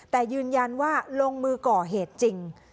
แต่ยืนยันว่าลงมือก่อเหตุจริง